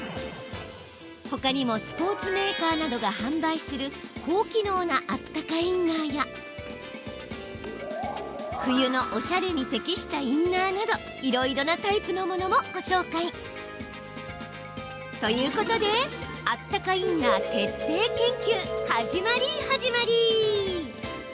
ほかにもスポーツメーカーなどが販売する高機能なあったかインナーや冬のおしゃれに適したインナーなどいろいろなタイプのものもご紹介。ということであったかインナー徹底研究始まり、始まり！